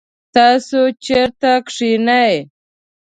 تاسو چیرته کښېنئ؟